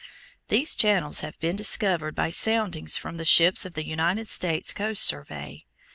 These channels have been discovered by soundings made from the ships of the United States Coast Survey.